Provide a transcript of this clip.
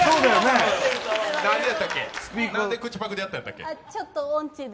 なんで口パクでやったんやっけ？